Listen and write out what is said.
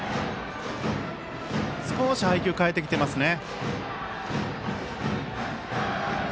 少し配球、変えてきてますね。